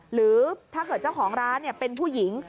หรือถ้าเกิดเจ้าของร้านเป็นผู้หญิง